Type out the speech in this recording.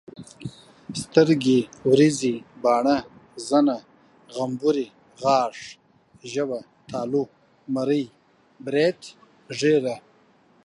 سترګي ، وريزي، باڼه، زنه، غمبوري، غاښ، ژبه ،تالو، مرۍ، بريت، ګيره